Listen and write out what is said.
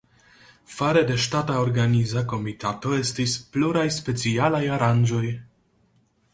Fare de ŝtata organiza komitato estis pluraj specialaj aranĝoj.